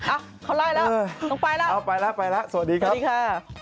อ้าวเขาล่ายแล้วต้องไปแล้วสวัสดีครับสวัสดีค่ะไปแล้วไปแล้วสวัสดีค่ะ